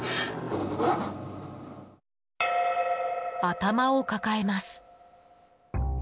頭を抱えます。